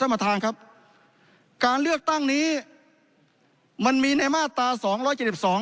ประธานครับการเลือกตั้งนี้มันมีในมาตราสองร้อยเจ็ดสิบสอง